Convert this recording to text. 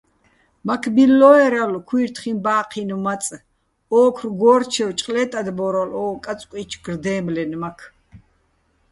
მაქ ბილლო́ერალო̆ ქუჲრთხიჼ ბა́ჴინო̆ მაწ, ო́ქრო̆ გო́რჩევ ჭყლე́ტადბო́რლო̆ ო კაწკუჲჩო̆ გრდე́მლენმაქ.